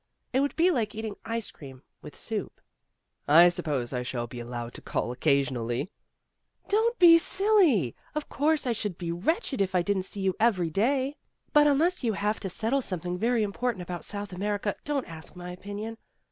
It would be like eating ice cream with soup." "I suppose I shall be allowed to call oc casionally. '' "Don't be silly! Of course I should be wretched if I didn't see you every day. But unless you have to settle something very im portant about South America, don't ask my opinion.